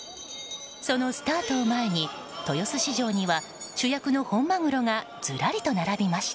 そのスタートを前に豊洲市場には主役の本マグロがずらりと並びました。